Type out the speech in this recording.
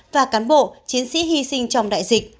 và cán bộ chiến sĩ hy sinh trong đại dịch